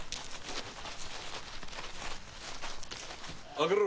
開けろ。